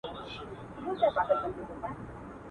خدایه څه بدرنګه شپې دي د دښتونو په کیږدۍ کي.